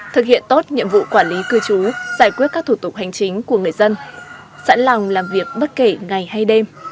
thực hiện tốt nhiệm vụ quản lý cư trú giải quyết các thủ tục hành chính của người dân sẵn lòng làm việc bất kể ngày hay đêm